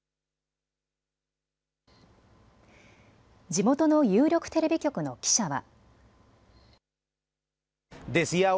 地元の有力テレビ局の記者は。